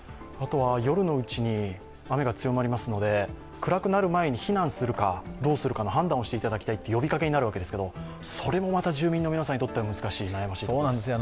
夜のうちに雨が強まりますので暗くなる前に避難するかどうかの判断をしていただきたいという呼びかけになるわけですが、それもまた住民の皆さんにとっては難しい、悩ましいところですね。